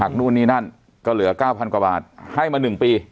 อ๋อหักนู่นนี่นั่นก็เหลือเก้าพันกว่าบาทให้มาหนึ่งปี